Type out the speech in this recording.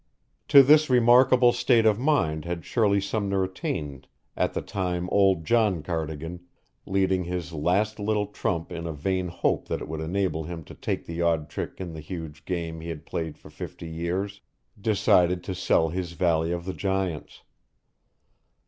To this remarkable state of mind had Shirley Sumner attained at the time old John Cardigan, leading his last little trump in a vain hope that it would enable him to take the odd trick in the huge game he had played for fifty years, decided to sell his Valley of the Giants.